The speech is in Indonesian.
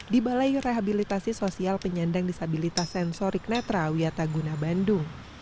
di balai rehabilitasi sosial penyandang disabilitas sensorik netra wiataguna bandung